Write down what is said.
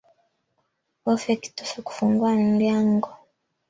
Bofya kitufe kufungua nlyango